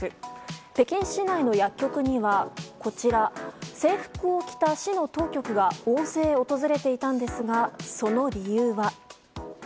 北京市内の薬局には制服を着た市の当局が大勢訪れていたんですがその理由は。